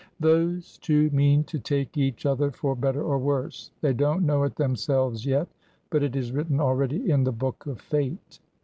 "Those two mean to take each other for better or worse. They don't know it themselves yet, but it is written already in the book of fate."